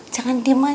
jangan diem aja dong